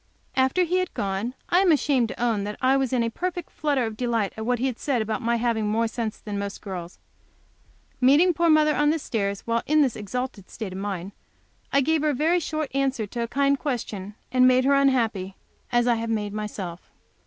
After he had gone, I am ashamed to own that I was in a perfect flutter of delight at what he had said about my having more sense than most girls. Meeting poor mother on the stairs while in this exalted state of mind, I gave her a very short answer to a kind question, and made her unhappy, as I have made myself.